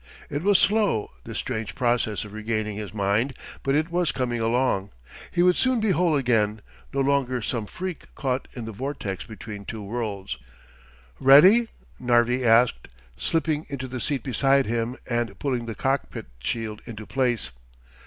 It was slow, this strange process of regaining his mind, but it was coming along. He would soon be whole again, no longer some freak caught in the vortex between two worlds. "Ready?" Narvi asked, slipping into the seat beside him and pulling the cockpit shield into place.